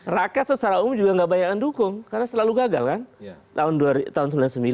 rakyat secara umum juga nggak banyak yang dukung karena selalu gagal kan tahun seribu sembilan ratus sembilan puluh sembilan